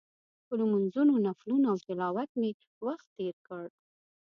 په لمونځونو، نفلونو او تلاوت مې وخت تېر کړ.